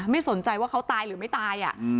ไม่สนใจว่าเขาตายหรือไม่ตาย